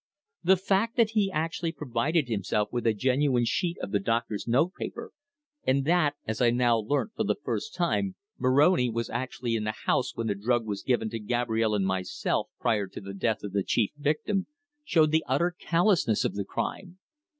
The fact that he had actually provided himself with a genuine sheet of the doctor's notepaper, and that as I now learnt for the first time Moroni was actually in the house when the drug was given to Gabrielle and myself prior to the death of the chief victim, showed the utter callousness of the crime.